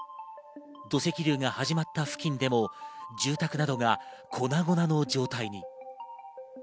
土石流が始まった付近でも住宅などが粉々の状態に。